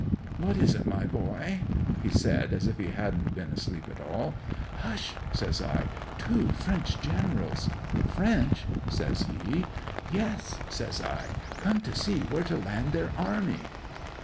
'"What is it, my boy?" he said, just as if he hadn't been asleep at all. '"Hush!" says I. "Two French generals—" '"French?" says he. '"Yes," says I. "Come to see where to land their army!"